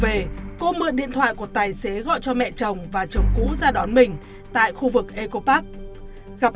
về cô mượn điện thoại của tài xế gọi cho mẹ chồng và chồng cũ ra đón mình tại khu vực ecopap gặp